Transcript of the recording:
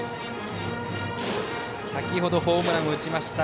先ほどホームランを打ちました